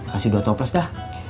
kasih dua toples dah